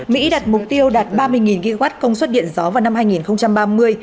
mỹ đặt mục tiêu đạt ba mươi gigawatt công suất điện gió vào năm hai nghìn ba mươi